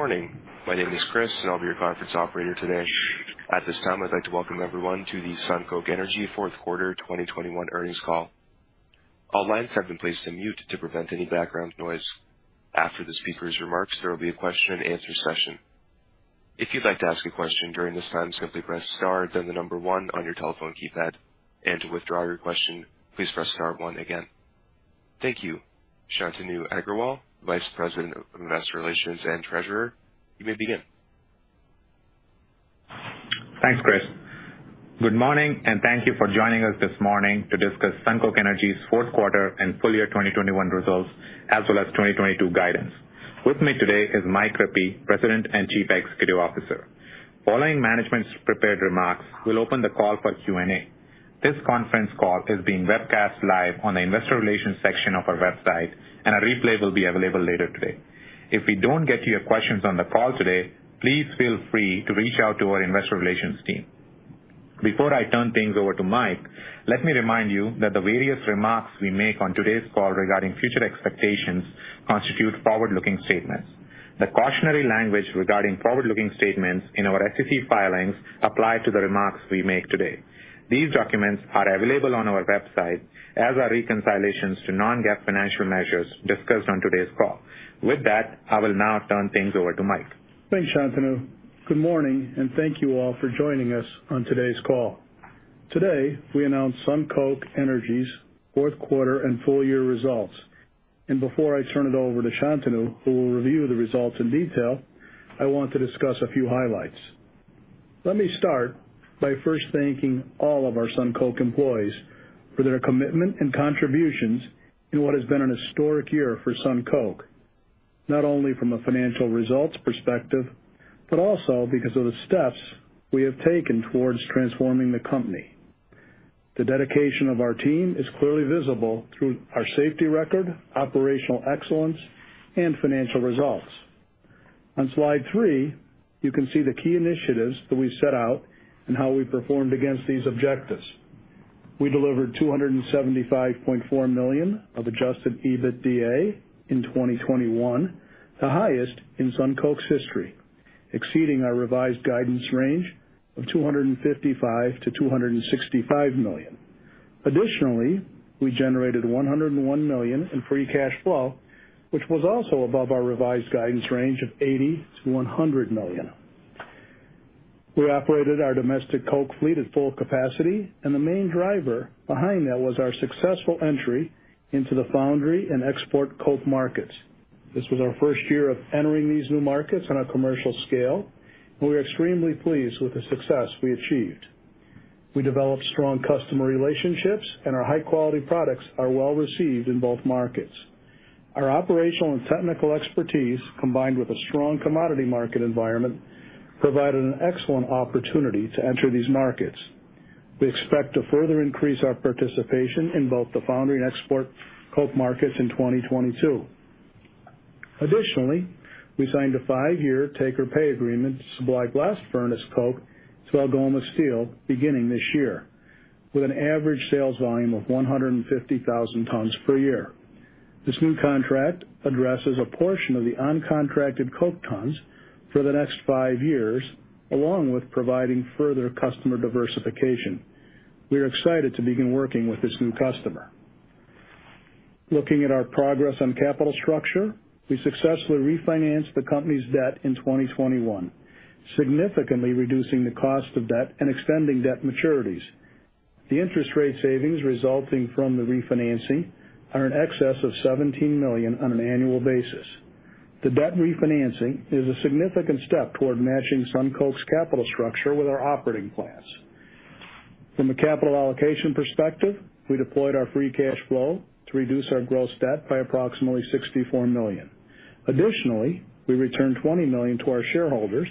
Good morning. My name is Chris, and I'll be your conference operator today. At this time, I'd like to welcome everyone to the SunCoke Energy Fourth Quarter 2021 earnings call. All lines have been placed on mute to prevent any background noise. After the speaker's remarks, there will be a question and answer session. If you'd like to ask a question during this time, simply press star then the number one on your telephone key pad. To withdraw your question, please press star one again. Thank you. Shantanu Agrawal, Vice President of Investor Relations and Treasurer, you may begin. Thanks, Chris. Good morning, and thank you for joining us this morning to discuss SunCoke Energy's fourth quarter and full year 2021 results, as well as 2022 guidance. With me today is Mike Rippey, President and Chief Executive Officer. Following management's prepared remarks, we'll open the call for Q&A. This conference call is being webcast live on the investor relations section of our website, and a replay will be available later today. If we don't get to your questions on the call today, please feel free to reach out to our investor relations team. Before I turn things over to Mike, let me remind you that the various remarks we make on today's call regarding future expectations constitute forward-looking statements. The cautionary language regarding forward-looking statements in our SEC filings apply to the remarks we make today. These documents are available on our website as are reconciliations to non-GAAP financial measures discussed on today's call. With that, I will now turn things over to Mike. Thanks, Shantanu. Good morning, and thank you all for joining us on today's call. Today, we announce SunCoke Energy's fourth quarter and full year results. Before I turn it over to Shantanu, who will review the results in detail, I want to discuss a few highlights. Let me start by first thanking all of our SunCoke employees for their commitment and contributions in what has been an historic year for SunCoke. Not only from a financial results perspective, but also because of the steps we have taken towards transforming the company. The dedication of our team is clearly visible through our safety record, operational excellence, and financial results. On slide three, you can see the key initiatives that we set out and how we performed against these objectives. We delivered $275.4 million of Adjusted EBITDA in 2021, the highest in SunCoke's history, exceeding our revised guidance range of $255 million-$265 million. Additionally, we generated $101 million in free cash flow, which was also above our revised guidance range of $80 million-$100 million. We operated our domestic coke fleet at full capacity, and the main driver behind that was our successful entry into the foundry and export coke markets. This was our first year of entering these new markets on a commercial scale, and we're extremely pleased with the success we achieved. We developed strong customer relationships, and our high-quality products are well-received in both markets. Our operational and technical expertise, combined with a strong commodity market environment, provided an excellent opportunity to enter these markets. We expect to further increase our participation in both the foundry and export coke markets in 2022. Additionally, we signed a five-year take-or-pay agreement to supply blast furnace coke to Algoma Steel beginning this year with an average sales volume of 150,000 tons per year. This new contract addresses a portion of the uncontracted coke tons for the next five years, along with providing further customer diversification. We are excited to begin working with this new customer. Looking at our progress on capital structure, we successfully refinanced the company's debt in 2021, significantly reducing the cost of debt and extending debt maturities. The interest rate savings resulting from the refinancing are in excess of $17 million on an annual basis. The debt refinancing is a significant step toward matching SunCoke's capital structure with our operating plans. From a capital allocation perspective, we deployed our free cash flow to reduce our gross debt by approximately $64 million. Additionally, we returned $20 million to our shareholders,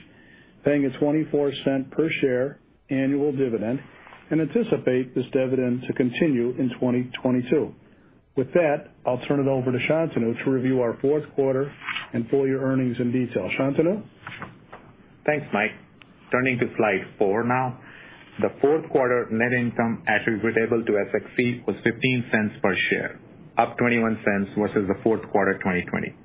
paying a $0.24 per share annual dividend, and anticipate this dividend to continue in 2022. With that, I'll turn it over to Shantanu to review our fourth quarter and full year earnings in detail. Shantanu? Thanks, Mike. Turning to slide four now. The fourth quarter net income attributable to SXC was $0.15 per share, up $0.21 versus the fourth quarter 2020.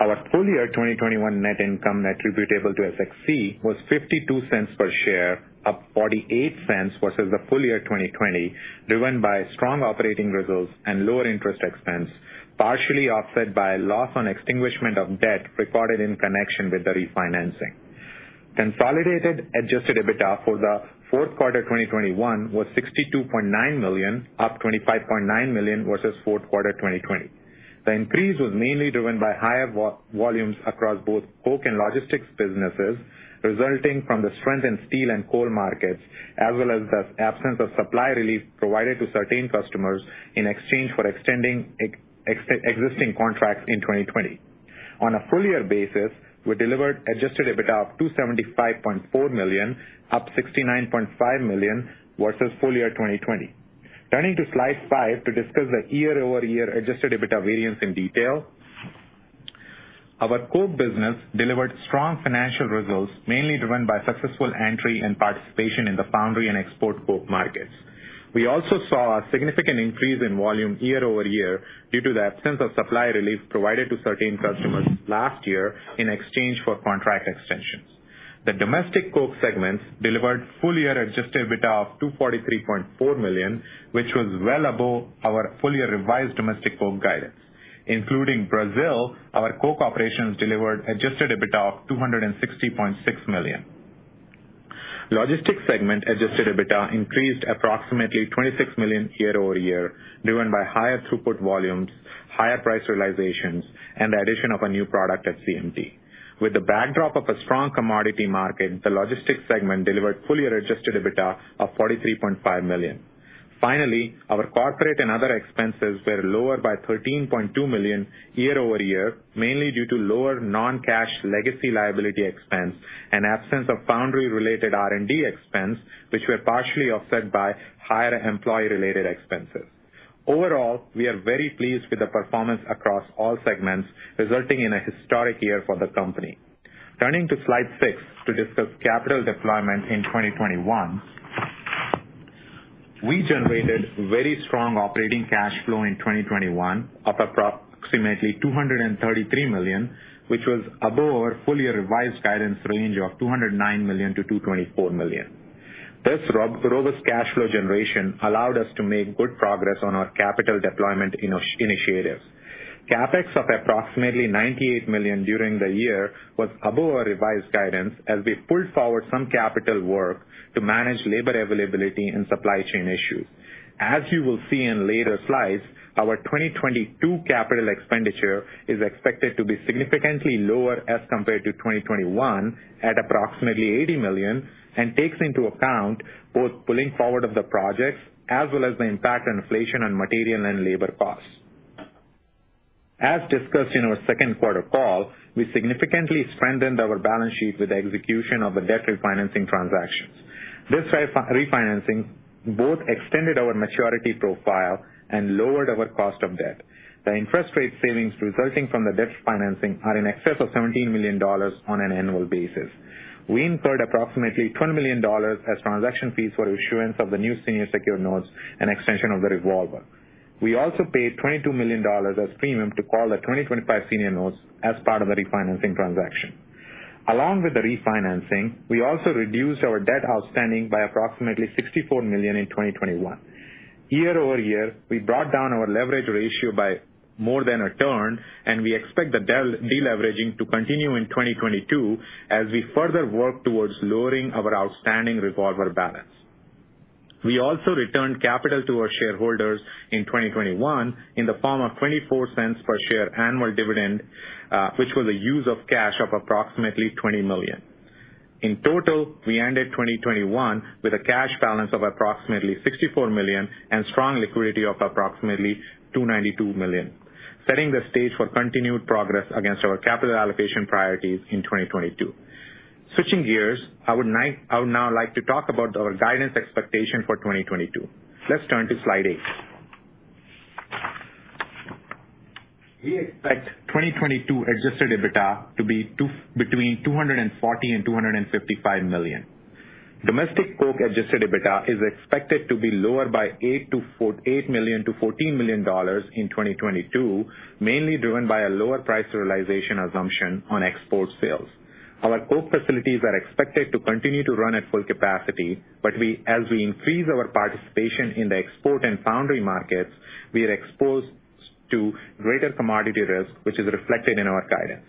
Our full year 2021 net income attributable to SXC was $0.52 per share, up $0.48 versus the full year 2020, driven by strong operating results and lower interest expense, partially offset by loss on extinguishment of debt recorded in connection with the refinancing. Consolidated Adjusted EBITDA for the fourth quarter 2021 was $62.9 million, up $25.9 million versus fourth quarter 2020. The increase was mainly driven by higher volumes across both coke and logistics businesses resulting from the strength in steel and coal markets, as well as the absence of supply relief provided to certain customers in exchange for extending existing contracts in 2020. On a full-year basis, we delivered Adjusted EBITDA of $275.4 million, up $69.5 million versus full year 2020. Turning to slide five to discuss the year-over-year Adjusted EBITDA variance in detail. Our coke business delivered strong financial results, mainly driven by successful entry and participation in the foundry and export coke markets. We also saw a significant increase in volume year-over-year due to the absence of supply relief provided to certain customers last year in exchange for contract extensions. The domestic coke segments delivered full-year Adjusted EBITDA of $243.4 million, which was well above our full-year revised domestic coke guidance. Including Brazil, our coke operations delivered Adjusted EBITDA of $260.6 million. Logistics segment Adjusted EBITDA increased approximately $26 million year-over-year, driven by higher throughput volumes, higher price realizations, and the addition of a new product at CMT. With the backdrop of a strong commodity market, the logistics segment delivered full-year Adjusted EBITDA of $43.5 million. Finally, our corporate and other expenses were lower by $13.2 million year-over-year, mainly due to lower non-cash legacy liability expense and absence of foundry-related R&D expense, which were partially offset by higher employee-related expenses. Overall, we are very pleased with the performance across all segments, resulting in a historic year for the company. Turning to slide six to discuss capital deployment in 2021. We generated very strong operating cash flow in 2021 of approximately $233 million, which was above our full-year revised guidance range of $209 million-$224 million. This robust cash flow generation allowed us to make good progress on our capital deployment initiatives. CapEx of approximately $98 million during the year was above our revised guidance as we pulled forward some capital work to manage labor availability and supply chain issues. As you will see in later slides, our 2022 capital expenditure is expected to be significantly lower as compared to 2021 at approximately $80 million, and takes into account both pulling forward of the projects as well as the impact of inflation on material and labor costs. As discussed in our second quarter call, we significantly strengthened our balance sheet with the execution of the debt refinancing transactions. This refinancing both extended our maturity profile and lowered our cost of debt. The interest rate savings resulting from the debt financing are in excess of $17 million on an annual basis. We incurred approximately $20 million as transaction fees for issuance of the new senior secured notes and extension of the revolver. We also paid $22 million as premium to call the 2025 senior notes as part of the refinancing transaction. Along with the refinancing, we also reduced our debt outstanding by approximately $64 million in 2021. Year-over-year, we brought down our leverage ratio by more than a ton, and we expect the deleveraging to continue in 2022 as we further work towards lowering our outstanding revolver balance. We also returned capital to our shareholders in 2021 in the form of $0.24 per share annual dividend, which was a use of cash of approximately $20 million. In total, we ended 2021 with a cash balance of approximately $64 million and strong liquidity of approximately $292 million, setting the stage for continued progress against our capital allocation priorities in 2022. Switching gears, I would now like to talk about our guidance expectation for 2022. Let's turn to slide eight. We expect 2022 adjusted EBITDA to be between $240 million and $255 million. Domestic coke adjusted EBITDA is expected to be lower by $8 million-$14 million in 2022, mainly driven by a lower price realization assumption on export sales. Our coke facilities are expected to continue to run at full capacity, but as we increase our participation in the export and foundry markets, we are exposed to greater commodity risk, which is reflected in our guidance.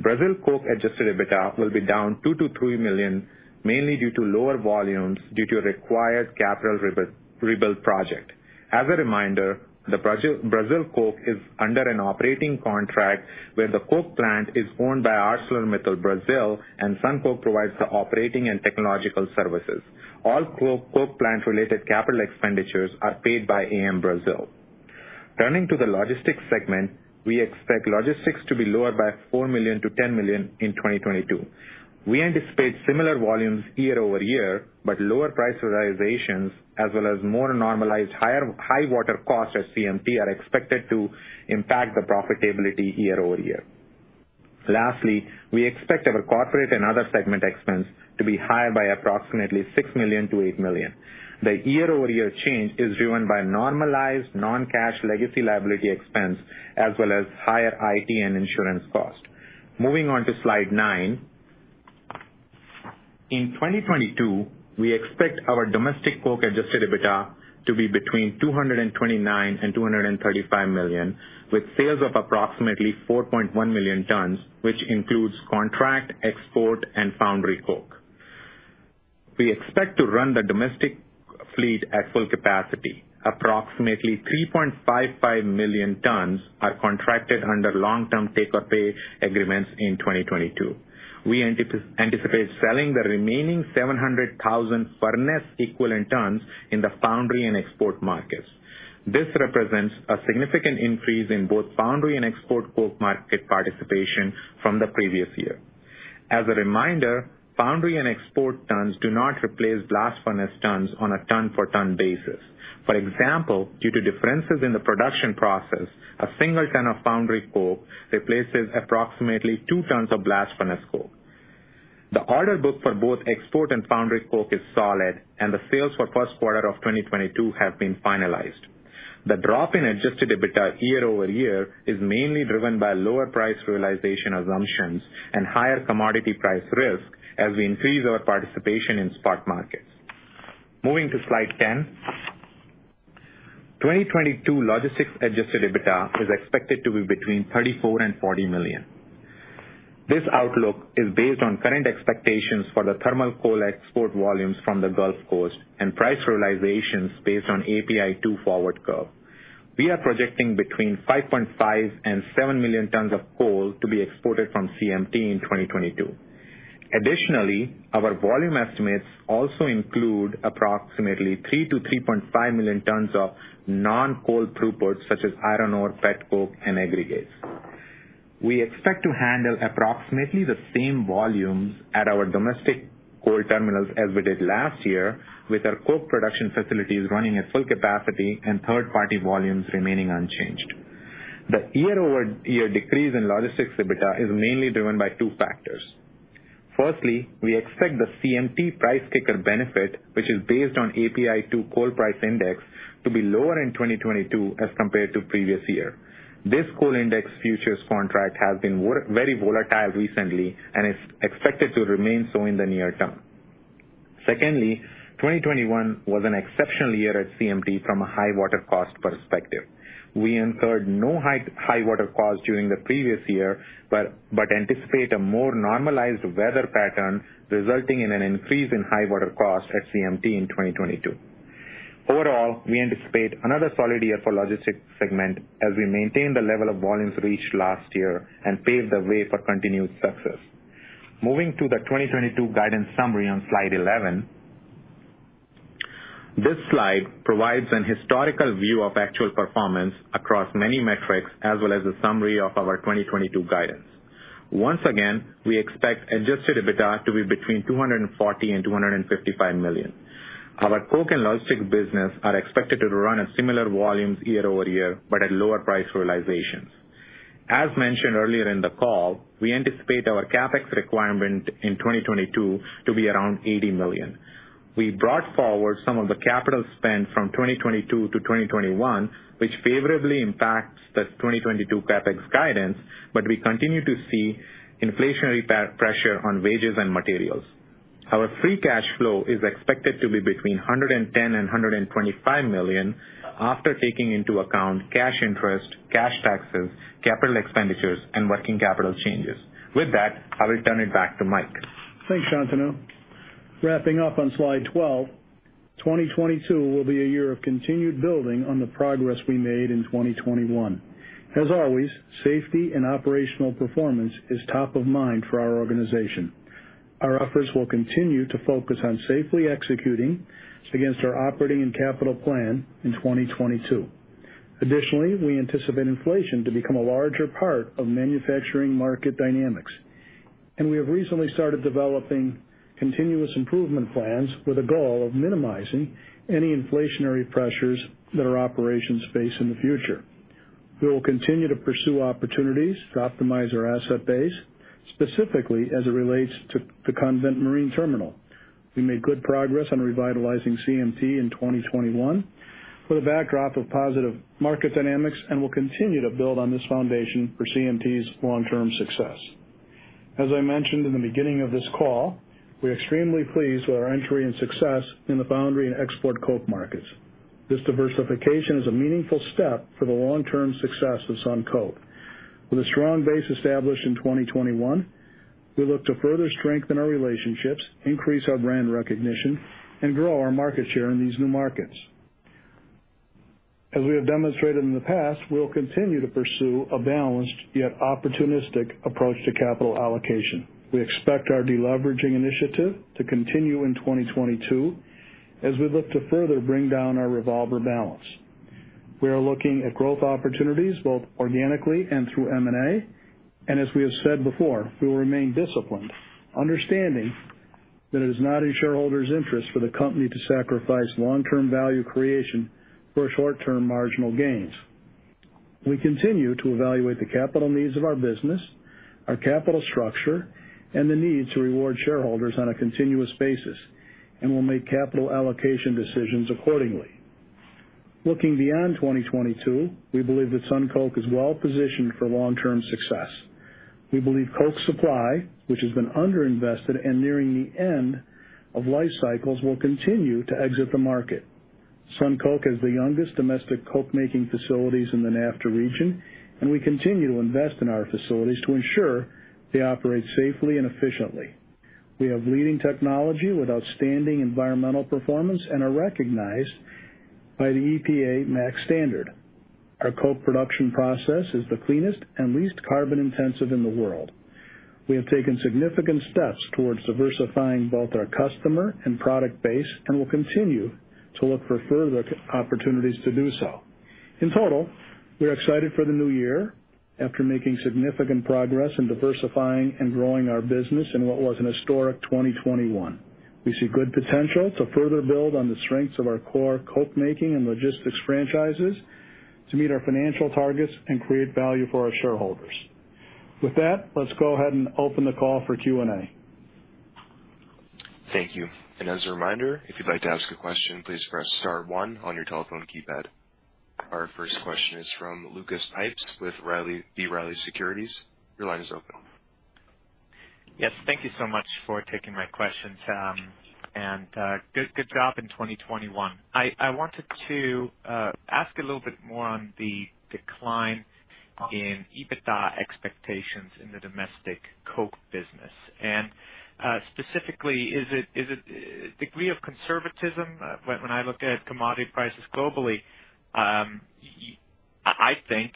Brazil Coke adjusted EBITDA will be down $2 million-$3 million, mainly due to lower volumes due to a required capital rebuild project. As a reminder, the Brazil Coke is under an operating contract where the coke plant is owned by ArcelorMittal Brazil, and SunCoke provides the operating and technological services. All coke plant-related capital expenditures are paid by AM Brazil. Turning to the logistics segment, we expect logistics to be lower by $4 million-$10 million in 2022. We anticipate similar volumes year-over-year, but lower price realizations as well as more normalized high water costs at CMT are expected to impact the profitability year-over-year. Lastly, we expect our corporate and other segment expense to be higher by approximately $6 million-$8 million. The year-over-year change is driven by normalized non-cash legacy liability expense as well as higher IT and insurance costs. Moving on to slide nine. In 2022, we expect our domestic coke adjusted EBITDA to be between $229 million and $235 million, with sales of approximately 4.1 million tons, which includes contract, export, and foundry coke. We expect to run the domestic fleet at full capacity. Approximately 3.55 million tons are contracted under long-term take-or-pay agreements in 2022. We anticipate selling the remaining 700,000 furnace equivalent tons in the foundry and export markets. This represents a significant increase in both foundry and export coke market participation from the previous year. As a reminder, foundry and export tons do not replace blast furnace tons on a ton-for-ton basis. For example, due to differences in the production process, a single ton of foundry coke replaces approximately two tons of blast furnace coke. The order book for both export and foundry coke is solid, and the sales for first quarter of 2022 have been finalized. The drop in adjusted EBITDA year-over-year is mainly driven by lower price realization assumptions and higher commodity price risk as we increase our participation in spot markets. Moving to slide 10. 2022 logistics adjusted EBITDA is expected to be between $34 million and $40 million. This outlook is based on current expectations for the thermal coal export volumes from the Gulf Coast and price realizations based on API2 forward curve. We are projecting between 5.5 and 7 million tons of coal to be exported from CMT in 2022. Additionally, our volume estimates also include approximately 3-3.5 million tons of non-coal throughputs such as iron ore, petcoke, and aggregates. We expect to handle approximately the same volumes at our domestic coal terminals as we did last year with our coke production facilities running at full capacity and third-party volumes remaining unchanged. The year-over-year decrease in logistics EBITDA is mainly driven by two factors. Firstly, we expect the CMT price kicker benefit, which is based on API2 coal price index, to be lower in 2022 as compared to previous year. This coal index futures contract has been very volatile recently and is expected to remain so in the near term. Secondly, 2021 was an exceptional year at CMT from a high water cost perspective. We incurred no high water costs during the previous year, but anticipate a more normalized weather pattern, resulting in an increase in high water costs at CMT in 2022. Overall, we anticipate another solid year for logistics segment as we maintain the level of volumes reached last year and pave the way for continued success. Moving to the 2022 guidance summary on slide 11. This slide provides an historical view of actual performance across many metrics as well as a summary of our 2022 guidance. Once again, we expect Adjusted EBITDA to be between $240 million and $255 million. Our coke and logistics business are expected to run at similar volumes year-over-year, but at lower price realizations. As mentioned earlier in the call, we anticipate our CapEx requirement in 2022 to be around $80 million. We brought forward some of the capital spend from 2022 to 2021, which favorably impacts the 2022 CapEx guidance, but we continue to see inflationary pressure on wages and materials. Our free cash flow is expected to be between $110 million and $125 million after taking into account cash interest, cash taxes, capital expenditures, and working capital changes. With that, I will turn it back to Mike. Thanks, Shantanu. Wrapping up on slide 12, 2022 will be a year of continued building on the progress we made in 2021. As always, safety and operational performance is top of mind for our organization. Our efforts will continue to focus on safely executing against our operating and capital plan in 2022. Additionally, we anticipate inflation to become a larger part of manufacturing market dynamics. We have recently started developing continuous improvement plans with a goal of minimizing any inflationary pressures that our operations face in the future. We will continue to pursue opportunities to optimize our asset base, specifically as it relates to the Convent Marine Terminal. We made good progress on revitalizing CMT in 2021 with a backdrop of positive market dynamics and will continue to build on this foundation for CMT's long-term success. As I mentioned in the beginning of this call, we're extremely pleased with our entry and success in the foundry and export coke markets. This diversification is a meaningful step for the long-term success of SunCoke. With a strong base established in 2021, we look to further strengthen our relationships, increase our brand recognition, and grow our market share in these new markets. As we have demonstrated in the past, we will continue to pursue a balanced yet opportunistic approach to capital allocation. We expect our deleveraging initiative to continue in 2022 as we look to further bring down our revolver balance. We are looking at growth opportunities both organically and through M&A, and as we have said before, we will remain disciplined, understanding that it is not in shareholders' interest for the company to sacrifice long-term value creation for short-term marginal gains. We continue to evaluate the capital needs of our business, our capital structure, and the need to reward shareholders on a continuous basis, and we'll make capital allocation decisions accordingly. Looking beyond 2022, we believe that SunCoke is well positioned for long-term success. We believe coke supply, which has been underinvested and nearing the end of life cycles, will continue to exit the market. SunCoke is the youngest domestic cokemaking facilities in the NAFTA region, and we continue to invest in our facilities to ensure they operate safely and efficiently. We have leading technology with outstanding environmental performance and are recognized by the EPA MACT standard. Our coke production process is the cleanest and least carbon intensive in the world. We have taken significant steps towards diversifying both our customer and product base and will continue to look for further opportunities to do so. In total, we are excited for the new year after making significant progress in diversifying and growing our business in what was an historic 2021. We see good potential to further build on the strengths of our core coke-making and logistics franchises to meet our financial targets and create value for our shareholders. With that, let's go ahead and open the call for Q&A. Thank you. As a reminder, if you'd like to ask a question, please press star one on your telephone keypad. Our first question is from Lucas Pipes with B. Riley Securities. Your line is open. Yes. Thank you so much for taking my questions. Good job in 2021. I wanted to ask a little bit more on the decline in EBITDA expectations in the domestic coke business. Specifically, is it degree of conservatism? When I look at commodity prices globally, I think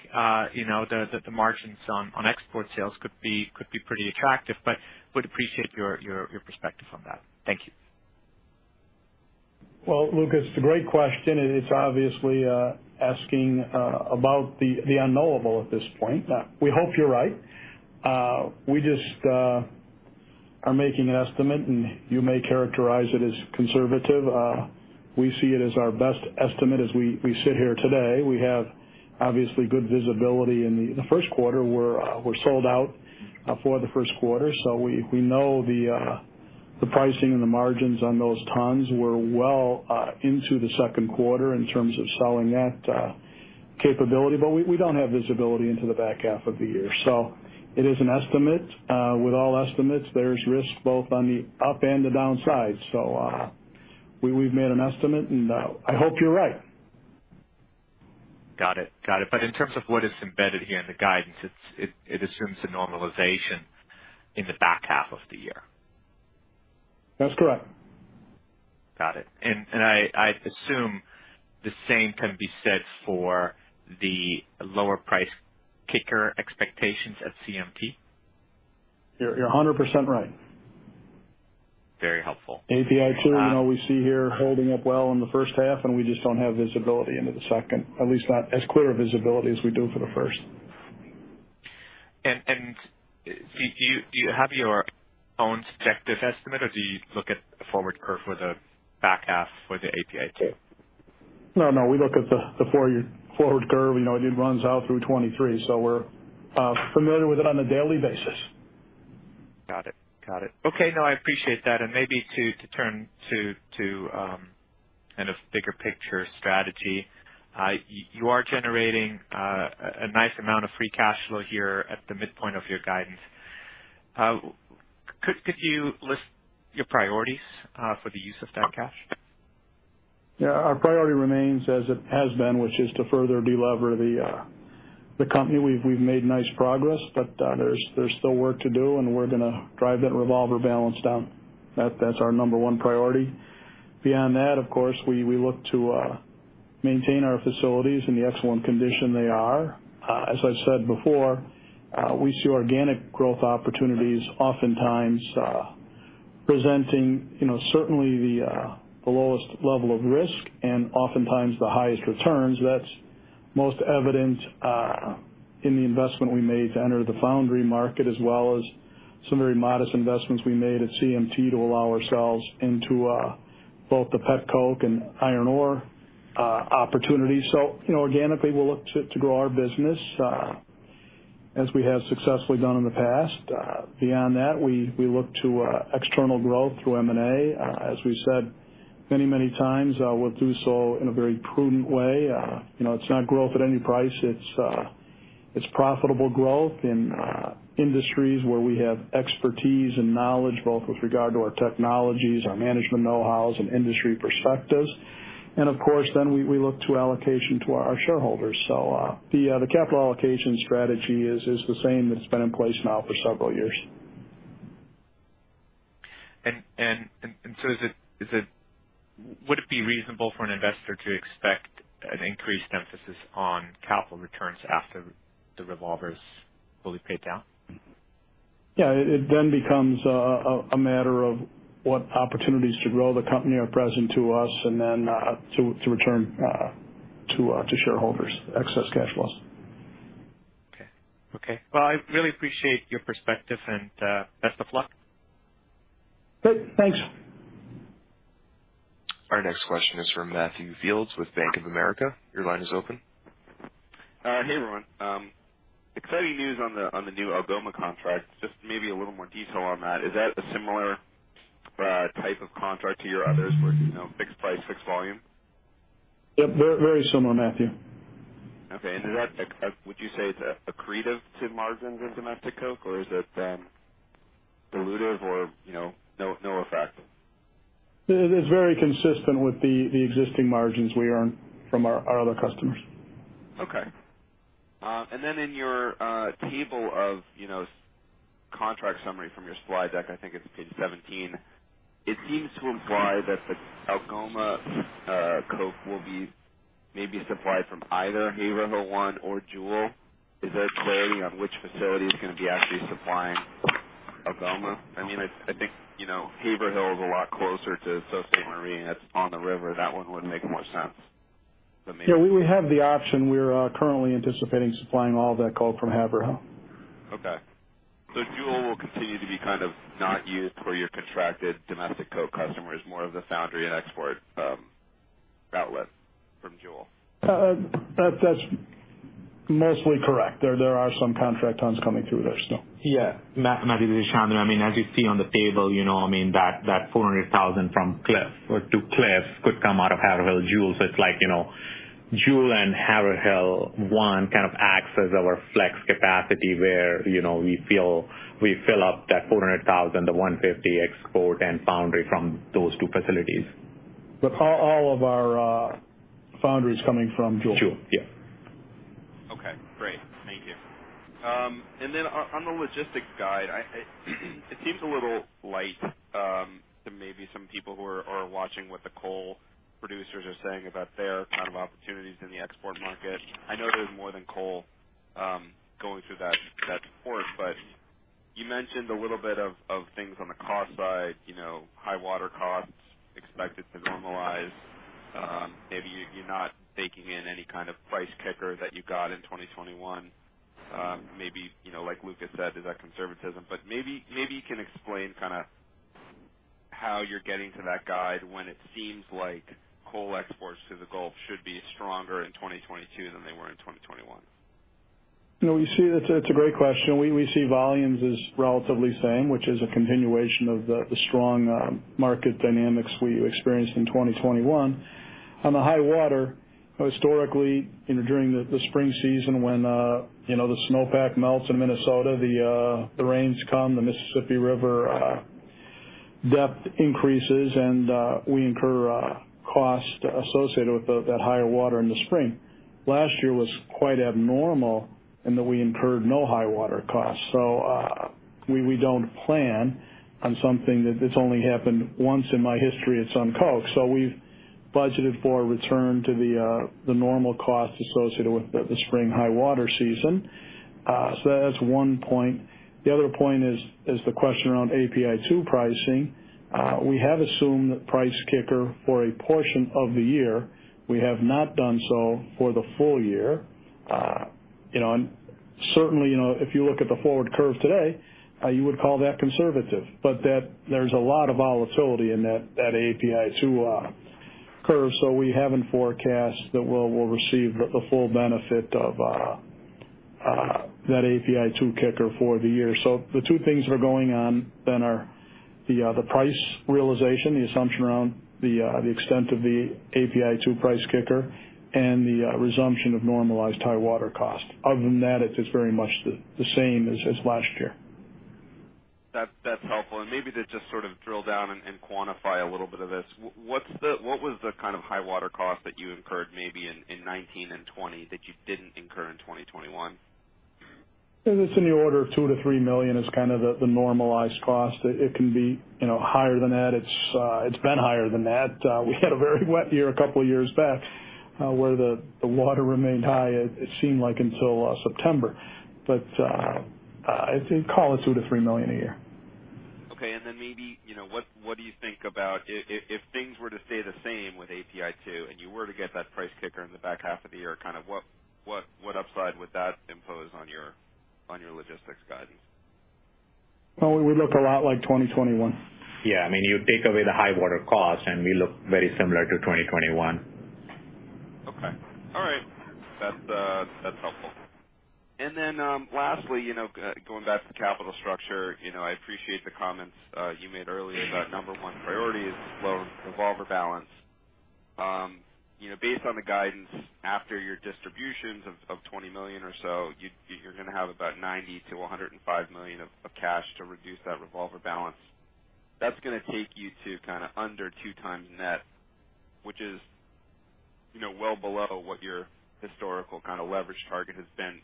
you know the margins on export sales could be pretty attractive, but would appreciate your perspective on that. Thank you. Well, Lucas, it's a great question, and it's obviously asking about the unknowable at this point. We hope you're right. We just are making an estimate, and you may characterize it as conservative. We see it as our best estimate as we sit here today. We have obviously good visibility in the first quarter. We're sold out for the first quarter. So we know the pricing and the margins on those tons were well into the second quarter in terms of selling that capability. But we don't have visibility into the back half of the year. So it is an estimate. With all estimates, there's risk both on the up and the downside. So we've made an estimate, and I hope you're right. Got it. In terms of what is embedded here in the guidance, it assumes a normalization in the back half of the year. That's correct. Got it. I assume the same can be said for the lower price kicker expectations at CMT. You're 100% right. Very helpful. API2, you know, we see here holding up well in the first half, and we just don't have visibility into the second, at least not as clear a visibility as we do for the first. Do you have your own subjective estimate, or do you look at the forward curve for the back half for the API 2? No, no. We look at the four-year forward curve. You know, it runs out through 2023, so we're familiar with it on a daily basis. Got it. Okay. No, I appreciate that. Maybe to turn to kind of bigger picture strategy. You are generating a nice amount of free cash flow here at the midpoint of your guidance. Could you list your priorities for the use of that cash? Yeah. Our priority remains as it has been, which is to further de-lever the company. We've made nice progress, but there's still work to do, and we're gonna drive that revolver balance down. That's our number one priority. Beyond that, of course, we look to maintain our facilities in the excellent condition they are. As I've said before, we see organic growth opportunities oftentimes presenting, you know, certainly the lowest level of risk and oftentimes the highest returns. That's most evident in the investment we made to enter the foundry market, as well as some very modest investments we made at CMT to allow ourselves into both the petcoke and iron ore opportunities. You know, organically, we'll look to grow our business as we have successfully done in the past. Beyond that, we look to external growth through M&A. As we said many times, we'll do so in a very prudent way. You know, it's not growth at any price. It's profitable growth in industries where we have expertise and knowledge, both with regard to our technologies, our management know-how and industry perspectives. Of course, then we look to allocation to our shareholders. The capital allocation strategy is the same that's been in place now for several years. Would it be reasonable for an investor to expect an increased emphasis on capital returns after the revolver is fully paid down? Yeah. It then becomes a matter of what opportunities to grow the company are present to us and then to return to shareholders excess cash flows. Okay. Well, I really appreciate your perspective and best of luck. Great. Thanks. Our next question is from Matthew Fields with Bank of America. Your line is open. Hey, everyone. Exciting news on the new Algoma contract. Just maybe a little more detail on that. Is that a similar type of contract to your others where, you know, fixed price, fixed volume? Yep. Very similar, Matthew. Okay. Would you say it's accretive to margins in domestic coke, or is it then dilutive or, you know, neutral? It is very consistent with the existing margins we earn from our other customers. Okay. Then in your table of, you know, contract summary from your supply deck, I think it's page 17, it seems to imply that the Algoma coke will be maybe supplied from either Haverhill One or Jewell. Is there clarity on which facility is gonna be actually supplying Algoma? I mean, I think, you know, Haverhill is a lot closer to Sault Ste. Marie, and it's on the river. That one would make more sense. Yeah, we have the option. We are currently anticipating supplying all that coal from Haverhill. Jewell will continue to be kind of not used for your contracted domestic coal customers, more of the foundry and export outlet from Jewell. That's mostly correct. There are some contract tons coming through there still. Yeah. Matthew, this is Shantanu. I mean, as you see on the table, you know, I mean that 400,000 from Cleveland-Cliffs or to Cleveland-Cliffs could come out of Haverhill Jewell. It's like, you know, Jewell and Haverhill kind of acts as our flex capacity where, you know, we feel we fill up that 400,000, the 150 export and foundry from those two facilities. With all of our foundry is coming from Jewell. Jewell, yeah. Okay, great. Thank you. On the logistics guide, it seems a little light to maybe some people who are watching what the coal producers are saying about their kind of opportunities in the export market. I know there's more than coal going through that port. You mentioned a little bit of things on the cost side, you know, high water costs expected to normalize. Maybe you're not baking in any kind of price kicker that you got in 2021. Maybe, you know, like Lucas said, is that conservatism, but maybe you can explain kind of how you're getting to that guide when it seems like coal exports to the Gulf should be stronger in 2022 than they were in 2021. No, we see that, it's a great question. We see volumes as relatively same, which is a continuation of the strong market dynamics we experienced in 2021. On the high water, historically, you know, during the spring season when you know, the snowpack melts in Minnesota, the rains come, the Mississippi River depth increases, and we incur a cost associated with that higher water in the spring. Last year was quite abnormal in that we incurred no high water costs. So we don't plan on something that it's only happened once in my history at SunCoke. So we've budgeted for a return to the normal cost associated with the spring high water season. So that's one point. The other point is the question around API2 pricing. We have assumed that price kicker for a portion of the year. We have not done so for the full year. You know, and certainly, you know, if you look at the forward curve today, you would call that conservative, but there's a lot of volatility in that API2 curve. We haven't forecast that we'll receive the full benefit of that API2 kicker for the year. The two things that are going on then are the price realization, the assumption around the extent of the API2 price kicker and the resumption of normalized high water cost. Other than that, it's very much the same as last year. That's helpful. Maybe to just sort of drill down and quantify a little bit of this. What was the kind of high water cost that you incurred maybe in 2019 and 2020 that you didn't incur in 2021? It's in the order of $2-3 million is kind of the normalized cost. It can be, you know, higher than that. It's been higher than that. We had a very wet year a couple of years back, where the water remained high. It seemed like until September. I'd say call it $2-3 million a year. Okay. Maybe, you know, what do you think about if things were to stay the same with API2, and you were to get that price kicker in the back half of the year, kind of what upside would that impose on your logistics guidance? Well, we look a lot like 2021. Yeah. I mean, you take away the high water cost, and we look very similar to 2021. Okay. All right. That's helpful. Then, lastly, you know, going back to the capital structure. You know, I appreciate the comments you made earlier about number one priority is loan revolver balance. You know, based on the guidance after your distributions of $20 million or so, you're gonna have about $90 million-$105 million of cash to reduce that revolver balance. That's gonna take you to kind of under two times net, which is, you know, well below what your historical kind of leverage target has been.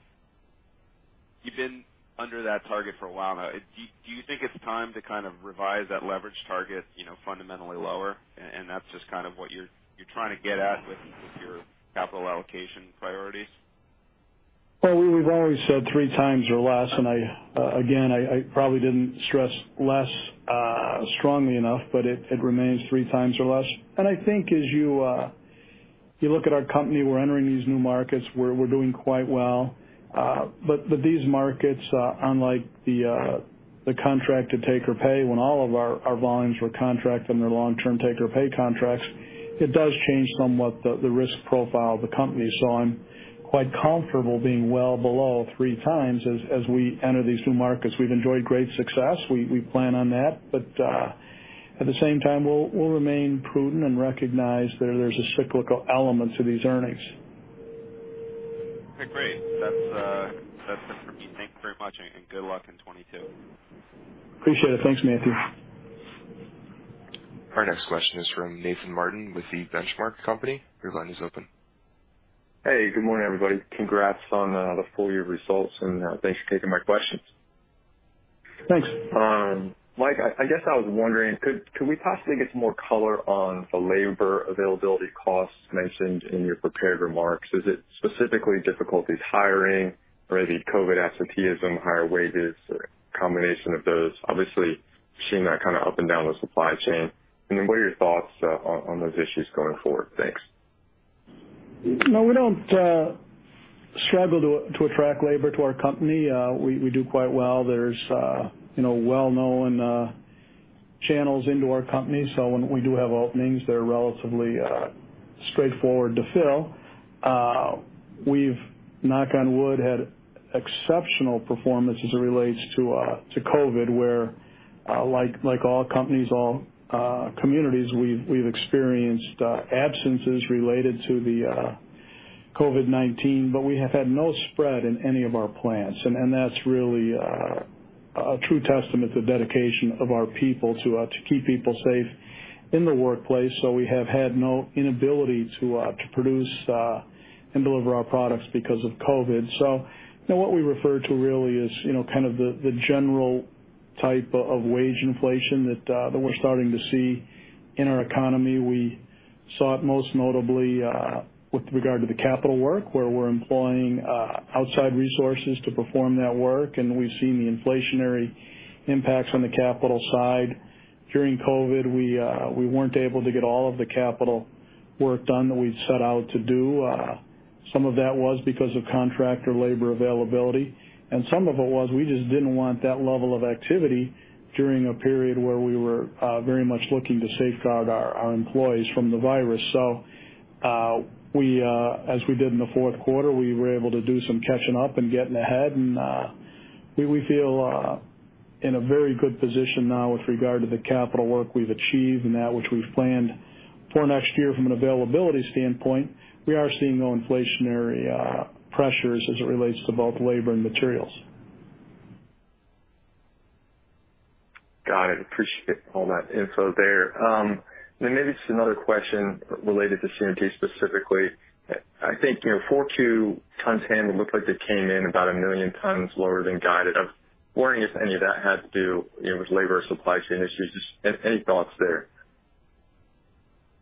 You've been under that target for a while now. Do you think it's time to kind of revise that leverage target, you know, fundamentally lower, and that's just kind of what you're trying to get at with your capital allocation priorities? Well, we've always said 3x or less, and again I probably didn't stress less strongly enough, but it remains 3x or less. I think as you look at our company, we're entering these new markets where we're doing quite well. But these markets, unlike the take-or-pay when all of our volumes were contracted under long-term take-or-pay contracts, it does change somewhat the risk profile of the company. I'm quite comfortable being well below 3x as we enter these new markets. We've enjoyed great success. We plan on that. At the same time, we'll remain prudent and recognize there's a cyclical element to these earnings. Okay, great. That's, that's it from me. Thank you very much, and good luck in 2022. Appreciate it. Thanks, Matthew. Our next question is from Nathan Martin with The Benchmark Company. Your line is open. Hey, good morning, everybody. Congrats on the full year results, and thanks for taking my questions. Thanks. Mike, I guess I was wondering, can we possibly get some more color on the labor availability costs mentioned in your prepared remarks? Is it specifically difficulties hiring or maybe COVID absenteeism, higher wages, or a combination of those? Obviously, seeing that kind of up and down the supply chain. What are your thoughts on those issues going forward? Thanks. No, we don't struggle to attract labor to our company. We do quite well. There's, you know, well-known channels into our company. When we do have openings, they're relatively straightforward to fill. We've, knock on wood, had exceptional performance as it relates to COVID, where, like, all companies, all communities, we've experienced absences related to the COVID-19. We have had no spread in any of our plants, and that's really a true testament to the dedication of our people to keep people safe in the workplace. We have had no inability to produce and deliver our products because of COVID. You know, what we refer to really is you know, kind of the general type of wage inflation that we're starting to see in our economy. We saw it most notably with regard to the capital work where we're employing outside resources to perform that work. We've seen the inflationary impacts on the capital side. During COVID, we weren't able to get all of the capital work done that we'd set out to do. Some of that was because of contractor labor availability, and some of it was we just didn't want that level of activity during a period where we were very much looking to safeguard our employees from the virus. We as we did in the fourth quarter, we were able to do some catching up and getting ahead. We feel in a very good position now with regard to the capital work we've achieved and that which we've planned for next year from an availability standpoint. We are seeing no inflationary pressures as it relates to both labor and materials. Got it. Appreciate all that info there. Maybe just another question related to CMT specifically. I think, you know, 42 tons handled looked like it came in about 1 million tons lower than guided. I was wondering if any of that had to do, you know, with labor or supply chain issues. Just any thoughts there?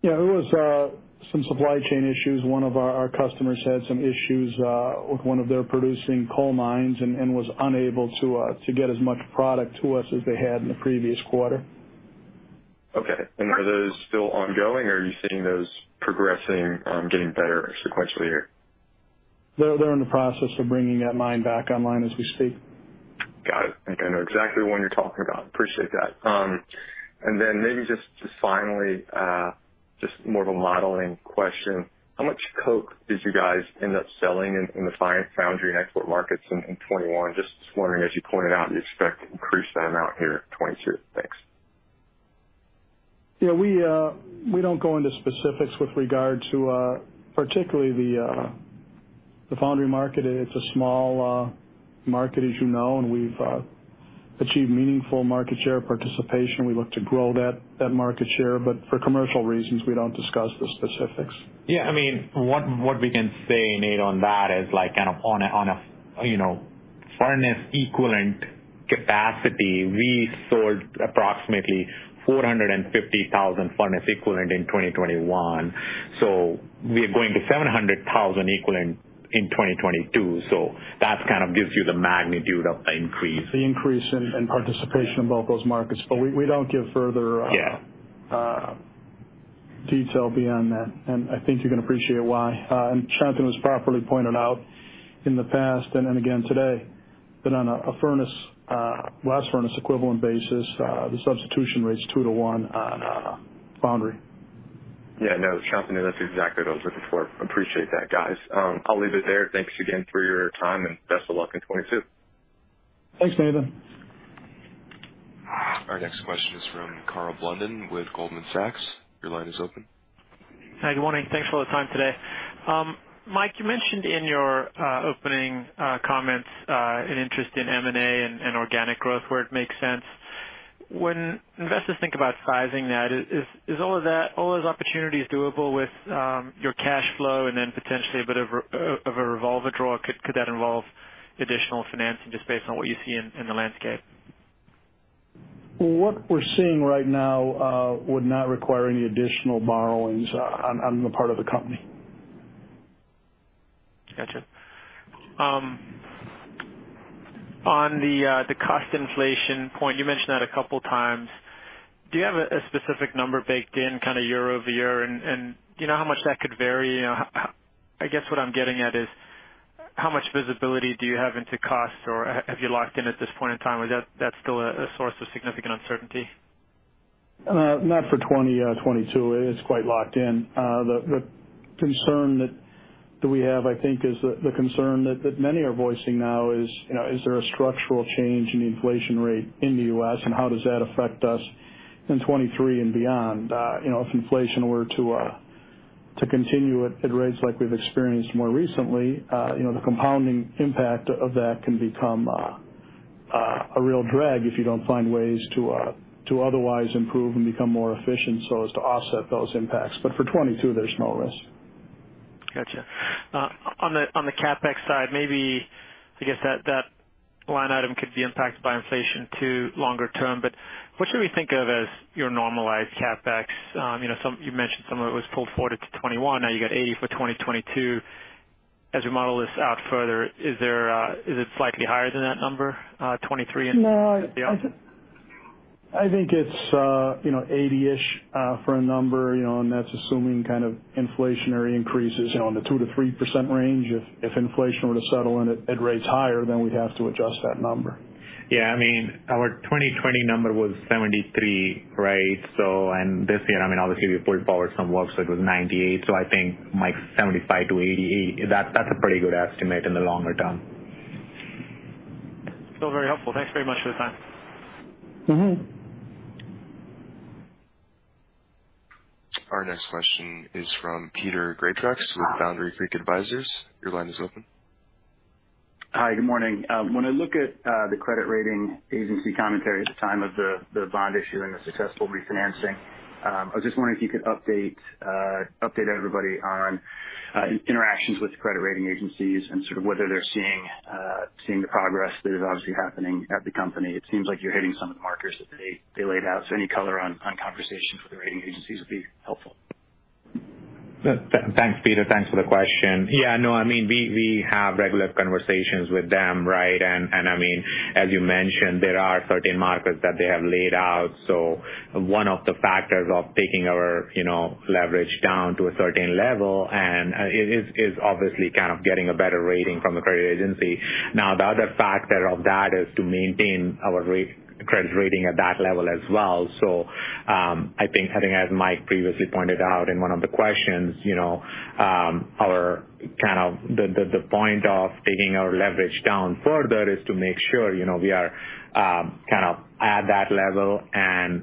Yeah, it was some supply chain issues. One of our customers had some issues with one of their producing coal mines and was unable to get as much product to us as they had in the previous quarter. Okay. Are those still ongoing, or are you seeing those progressing, getting better sequentially here? They're in the process of bringing that mine back online as we speak. Got it. I think I know exactly the one you're talking about. Appreciate that. Maybe just finally, just more of a modeling question. How much coke did you guys end up selling in the foundry and export markets in 2021? I was just wondering, as you pointed out, you expect to increase that amount here in 2022. Thanks. Yeah, we don't go into specifics with regard to, particularly the foundry market. It's a small market, as you know, and we've achieved meaningful market share participation. We look to grow that market share. For commercial reasons, we don't discuss the specifics. Yeah. I mean, what we can say, Nate, on that is like kind of on a you know, furnace equivalent capacity, we sold approximately 450,000 furnace equivalent in 2021. We are going to 700,000 equivalent in 2022. That kind of gives you the magnitude of the increase. The increase in participation in both those markets. We don't give further- Yeah. Detail beyond that, and I think you can appreciate why. Shantanu has properly pointed out in the past and again today on a blast-furnace equivalent basis, the substitution rate is two to one on foundry. Yeah, no, Shantanu, that's exactly what I was looking for. Appreciate that, guys. I'll leave it there. Thanks again for your time and best of luck in 2022. Thanks, Nathan. Our next question is from Karl Blunden with Goldman Sachs. Your line is open. Hi, good morning. Thanks for all the time today. Mike, you mentioned in your opening comments an interest in M&A and organic growth where it makes sense. When investors think about pricing that, is all of that, all those opportunities doable with your cash flow and then potentially a bit of a revolver draw? Could that involve additional financing just based on what you see in the landscape? What we're seeing right now would not require any additional borrowings on the part of the company. Gotcha. On the cost inflation point, you mentioned that a couple times. Do you have a specific number baked in kind of year over year? Do you know how much that could vary? You know, I guess what I'm getting at is how much visibility do you have into cost or have you locked in at this point in time? Or that's still a source of significant uncertainty? Not for 2022. It is quite locked in. The concern that we have, I think, is the concern that many are voicing now is, you know, is there a structural change in the inflation rate in the U.S. and how does that affect us in 2023 and beyond? You know, if inflation were to continue at rates like we've experienced more recently, you know, the compounding impact of that can become a real drag if you don't find ways to otherwise improve and become more efficient so as to offset those impacts. For 2022, there's no risk. Gotcha. On the CapEx side, maybe I guess that line item could be impacted by inflation too longer term. What should we think of as your normalized CapEx? You know, you mentioned some of it was pulled forward into 2021. Now you got $80 for 2022. As we model this out further, is it slightly higher than that number, 2023 and beyond? I think it's you know, 80-ish for a number, you know, and that's assuming kind of inflationary increases, you know, in the 2%-3% range. If inflation were to settle in at rates higher, then we'd have to adjust that number. Yeah. I mean, our 2020 number was 73, right? This year, I mean, obviously we pulled forward some work, so it was 98. I think, Mike, 75-88, that's a pretty good estimate in the longer term. Still very helpful. Thanks very much for the time. Mm-hmm. Our next question is from Peter Greatrex with Boundary Creek Advisors. Your line is open. Hi. Good morning. When I look at the credit rating agency commentary at the time of the bond issue and the successful refinancing, I was just wondering if you could update everybody on interactions with the credit rating agencies and sort of whether they're seeing the progress that is obviously happening at the company. It seems like you're hitting some of the markers that they laid out, so any color on conversations with the rating agencies would be helpful. Thanks, Peter. Thanks for the question. Yeah, no, I mean, we have regular conversations with them, right? I mean, as you mentioned, there are certain markers that they have laid out. One of the factors of taking our, you know, leverage down to a certain level is obviously kind of getting a better rating from the credit agency. Now, the other factor of that is to maintain our credit rating at that level as well. I think having, as Mike previously pointed out in one of the questions, you know, the point of taking our leverage down further is to make sure, you know, we are kind of at that level and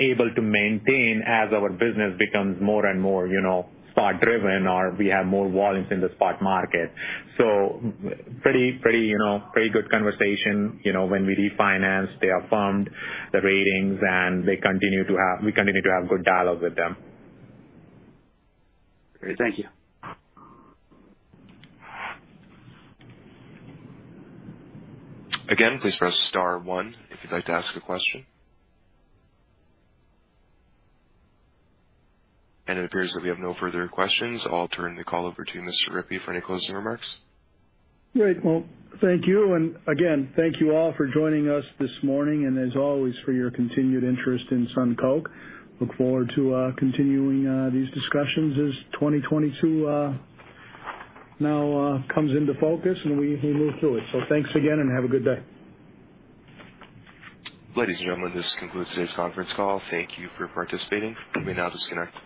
able to maintain as our business becomes more and more, you know, spot driven or we have more volumes in the spot market. Pretty good conversation. You know, when we refinance, they affirmed the ratings, and we continue to have good dialogue with them. Great. Thank you. Again, please press star one if you'd like to ask a question. It appears that we have no further questions. I'll turn the call over to Mr. Rippey for any closing remarks. Great. Well, thank you. Again, thank you all for joining us this morning, and as always, for your continued interest in SunCoke. Look forward to continuing these discussions as 2022 now comes into focus and we move through it. Thanks again, and have a good day. Ladies and gentlemen, this concludes today's conference call. Thank you for participating. You may now disconnect.